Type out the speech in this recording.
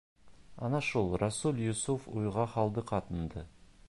Ана шул Рәсүл-Йософ уйға һалды ҡатынды.